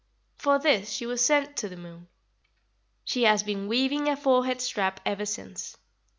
For this she was sent to the moon. She has been weaving a forehead strap ever since.